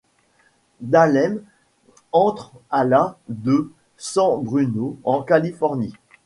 Dahlen entre à la de San Bruno en Californie.